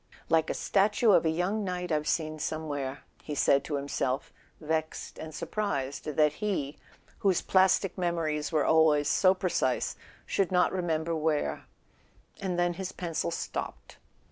"Like a statue of a young knight I've seen some¬ where," he said to himself, vexed and surprised that he, whose plastic memories were always so precise, should not remember where; and then his pencil stopped.